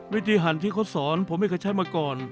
วิธีหันที่เขาสอนผมไม่เคยใช้มาก่อน